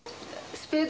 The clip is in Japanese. スペード。